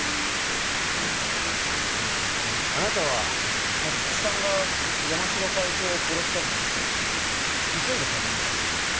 あなたは皐月さんが山城会長を殺したと聞いて急いで帰ってきたんですよね？